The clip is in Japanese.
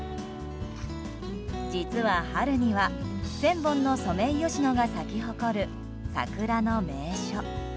実は春には、１０００本のソメイヨシノが咲き誇る桜の名所。